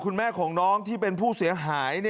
คุณแม่ของน้องที่เป็นผู้เสียหาย